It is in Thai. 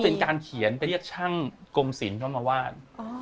เป็นการเขียนไปเรียกช่างกรมศิลป์เข้ามาวาด